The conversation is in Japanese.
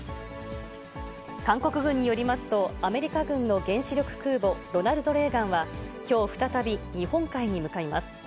韓国軍によりますと、アメリカ軍の原子力空母ロナルド・レーガンは、きょう再び日本海に向かいます。